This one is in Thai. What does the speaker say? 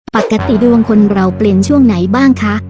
ปกติดวงคนเราเปลี่ยนช่วงไหนบ้างคะ